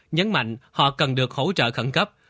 nhấn mạnh họ cần được hỗ trợ khẩn cấp